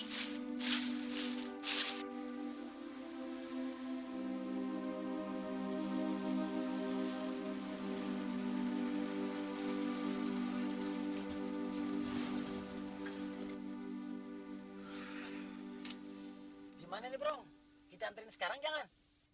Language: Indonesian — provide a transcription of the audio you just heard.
gimana nih bro kita anterin sekarang jangan